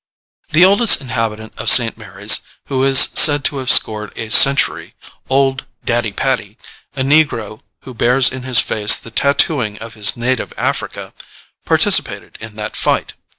The oldest inhabitant of St. Mary's, who is said to have scored a century, old "Daddy Paddy" a negro who bears in his face the tattooing of his native Africa participated in that fight.